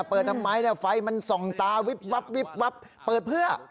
เปิดทำไมเนี่ยไฟมันส่องตาวิบวับเปิดเพื่อ